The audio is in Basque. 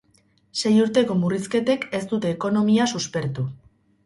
Sei urteko murrizketek ez dute ekonomia suspertu.